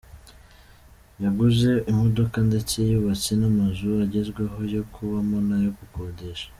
Yaguze imodoka ndetse yubatse n’amazu agezweho yo kubamo n’ayo gukodesha.